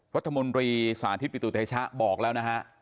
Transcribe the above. วัฒนมนตรีสาธิตปิตุเทชะบอกแล้วนะครับ